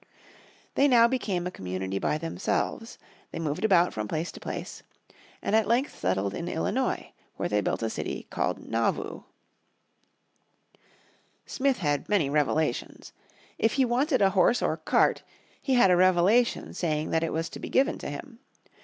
They now became a community by themselves, they moved about from place to place, and at length settled in Illinois where they built a city called Nauvoo. Smith had many revelations. If he wanted a horse or cart he had a revelation saying that it was to be given to him.